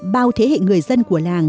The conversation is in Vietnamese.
bao thế hệ người dân của làng